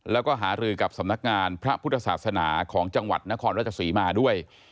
แล้วก็หารือกับสำนักงานพระพุทธศาสนาของจังหวัดนครราชศรีมาด้วย